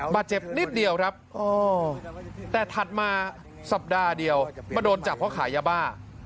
บาดเจ็บนิดเดียวครับแต่ถัดมาสัปดาห์เดียวมาโดนจับเพราะขายยาบ้า